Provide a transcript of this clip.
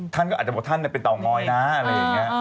ท่านก็อาจจะบอกท่านเป็นเตางอยนะอะไรอย่างนี้